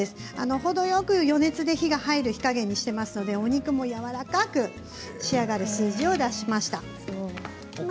程よく余熱で火が入る火加減にしていますので肉もやわらかく仕上がりますしその分量を出しました。